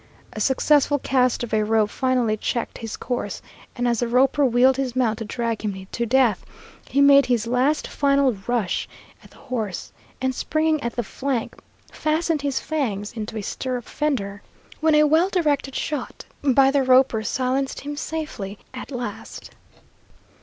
A successful cast of a rope finally checked his course; and as the roper wheeled his mount to drag him to death, he made his last final rush at the horse, and, springing at the flank, fastened his fangs into a stirrup fender, when a well directed shot by the roper silenced him safely at last.